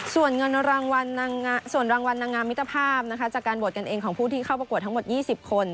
ส่วนรางวัลนางงามิตภาพจากการโบสถ์กันเองของผู้ที่เข้าประกวดทั้งหมด๒๐คน